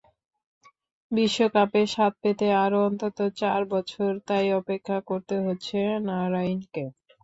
বিশ্বকাপের স্বাদ পেতে আরও অন্তত চার বছর তাই অপেক্ষা করতে হচ্ছে নারাইনকে।